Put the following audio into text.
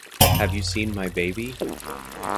Have You Seen My Baby?